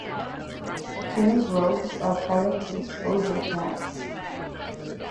Kings' robes are parted to expose their calves.